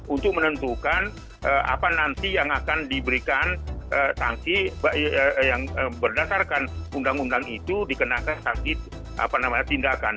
untuk menentukan apa nanti yang akan diberikan sanksi yang berdasarkan undang undang itu dikenakan sanksi tindakan